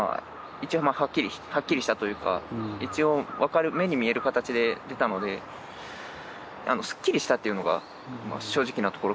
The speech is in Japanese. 一応まあはっきりはっきりしたというか一応分かる目に見える形で出たのですっきりしたっていうのが正直なところかもしれないですね。